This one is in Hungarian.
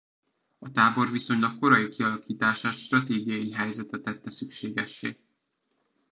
A tábor viszonylag korai kialakítását stratégiai helyzete tette szükségessé.